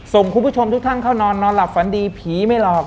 คุณผู้ชมทุกท่านเข้านอนนอนหลับฝันดีผีไม่หลอก